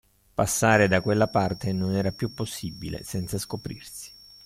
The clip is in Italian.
Passare da quella parte non era più possibile, senza scoprirsi.